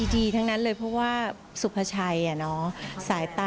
ดีทั้งนั้นเลยเพราะว่าสุภาชัยสายตา